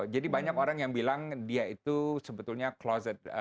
jadi banyak orang yang bilang dia itu sebetulnya closet